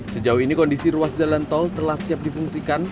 sejauh ini kondisi ruas jalan tol telah siap difungsikan